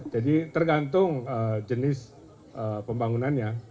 jadi tergantung jenis pembangunannya